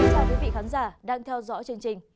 chào quý vị khán giả đang theo dõi chương trình